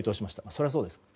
それはそうですよね。